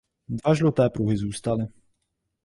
Dva žluté pruhy zůstaly.